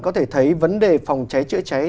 có thể thấy vấn đề phòng cháy chữa cháy